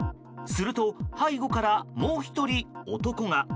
すると、背後からもう１人男が。